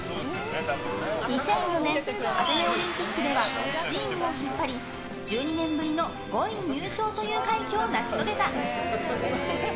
２００４年アテネオリンピックではチームを引っ張り１２年ぶりの５位入賞という快挙を成し遂げた。